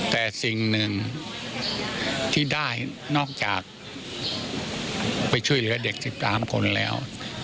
แต่สิ่งหนึ่งที่ได้นอกจากไปช่วยเหลือเด็ก๑๓คนแล้ว